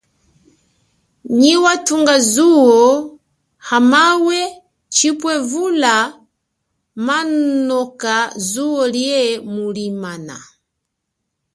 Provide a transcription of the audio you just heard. Nyi wathunga zuo hamawe chipwe vula manoka zuo liye mulimana.